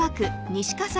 西葛西。